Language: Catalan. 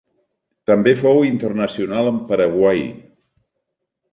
També fou internacional amb Paraguai.